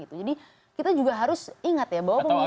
jadi kita juga harus ingat ya bahwa pemilu